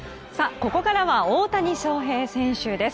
ここからは大谷翔平選手です。